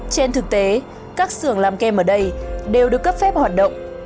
trên thực tế các xưởng làm kem ở đây đều được cấp phép hoạt động